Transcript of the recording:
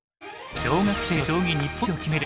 小学生の将棋日本一を決める